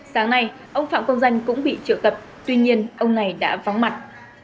sáng nay ông phạm công danh cũng bị triệu tập tuy nhiên ông này đã vắng mặt